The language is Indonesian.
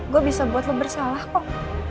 gue bisa buat lo bersalah kok